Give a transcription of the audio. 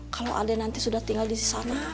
kalo aden nanti sudah tinggal disana